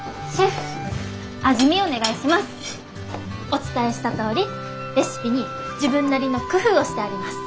お伝えしたとおりレシピに自分なりの工夫をしてあります。